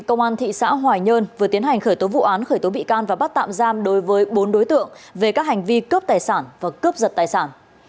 công an thị xã hoài nhơn vừa tiến hành khởi tố vụ án khởi tố bị can và bắt tạm giam đối với bốn đối tượng về các hành vi cướp tài sản và cướp giật tài sản